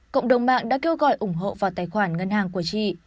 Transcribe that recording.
cộng đồng mạng đã kêu gọi ủng hộ vào tài khoản ngân hàng của chị